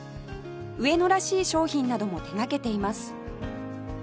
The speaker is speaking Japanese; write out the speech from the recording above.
上野らしい商品なども手掛けています